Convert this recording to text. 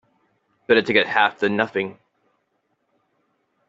Better to get half than nothing.